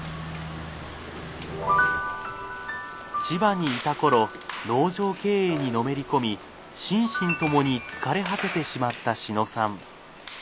千葉にいた頃農場経営にのめり込み心身ともに疲れ果ててしまった志野さん。